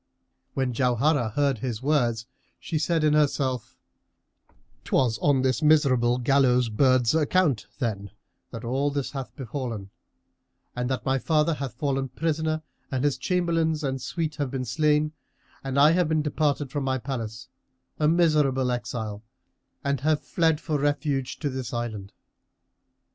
When Jauharah heard his words, she said in herself, "'Twas on this miserable gallows bird's account, then, that all this hath befallen and that my father hath fallen prisoner and his chamberlains and suite have been slain and I have been departed from my palace, a miserable exile and have fled for refuge to this island.